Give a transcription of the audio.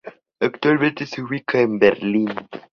Actualmente se ubica en Berlín.